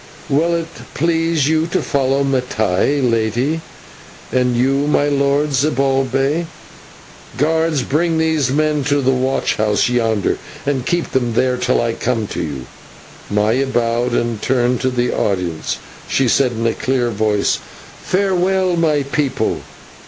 Will it please you to follow Mattai, Lady, and you, my Lord Zibalbay. Guards, bring these men to the watch house yonder, and keep them there till I come to you." Maya bowed, and, turning to the audience, she said in a clear voice, "Farewell, my people.